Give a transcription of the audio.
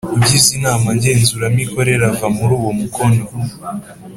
Ugize Inama Ngenzuramikorere ava muri uwomukono